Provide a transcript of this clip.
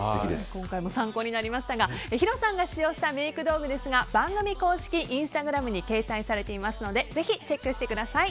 今回も参考になりましたがヒロさんが使用したメイク道具は番組公式インスタグラムに掲載されていますのでぜひチェックしてください。